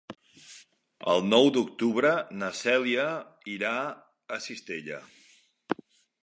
El nou d'octubre na Cèlia irà a Cistella.